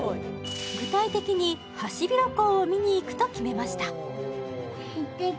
具体的にハシビロコウを見にいくと決めました